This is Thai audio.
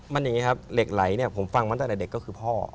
มันอย่างนี้ครับเหล็กไหลเนี่ยผมฟังมาตั้งแต่เด็กก็คือพ่อ